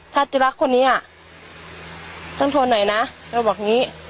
ถ้าจะรักคนนี้อ่ะต้องทนหน่อยนะจะบอกงี้